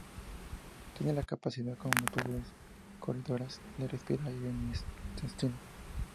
Tiene la capacidad, como todos los Corydoras, de respirar aire con el intestino.